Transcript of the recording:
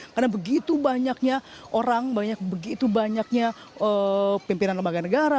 karena begitu banyaknya orang begitu banyaknya pimpinan lembaga negara